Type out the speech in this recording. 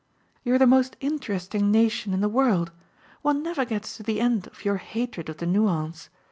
"You're the most interesting nation in the world. One never gets to the end of your hatred of the nuance.